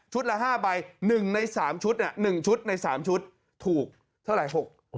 ละ๕ใบ๑ใน๓ชุด๑ชุดใน๓ชุดถูกเท่าไหร่๖